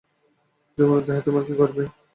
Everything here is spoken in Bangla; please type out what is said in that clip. যৌবনের দাহে তোমার কী করবে?